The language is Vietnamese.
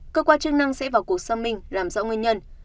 cơ quan chức năng sẽ vào cuộc xâm minh làm rõ nguyên nhân